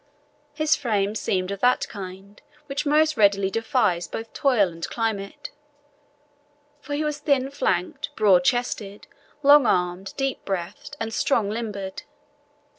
His frame seemed of that kind which most readily defies both toil and climate, for he was thin flanked, broad chested, long armed, deep breathed, and strong limbed.